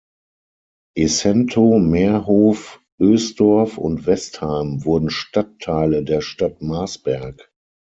Essentho, Meerhof, Oesdorf und Westheim wurden Stadtteile der Stadt Marsberg.